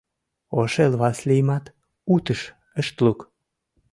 Ошэл Васлийымат «утыш» ышт лук.